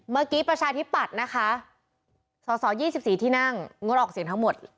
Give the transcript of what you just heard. ประชาธิปัตย์นะคะสส๒๔ที่นั่งงดออกเสียงทั้งหมด